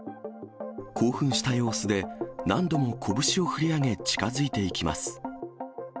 興奮した様子で、何度も拳を振り上げ、近づいていきます。